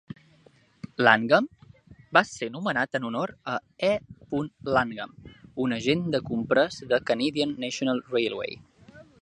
Langham va ser nomenat en honor a E. Langham, un agent de compres de Canadian National Railway.